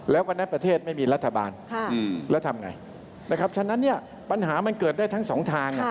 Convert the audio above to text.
แล้วพวกเรากันเอง